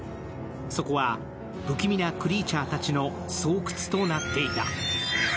そこは不気味なクリーチャーたちの巣窟となっていた。